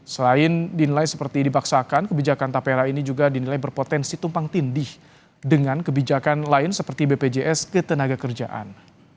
selain dinilai seperti dibaksakan kebijakan tapera ini juga dinilai berpotensi tumpang tindih dengan kebijakan lain seperti bpjs ketenaga kerjaan